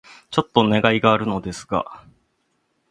ちょっとお願いがあるのですが...